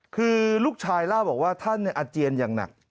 คือลูกชายเล่าบอกว่าท่านอาเจียนอย่างหนัก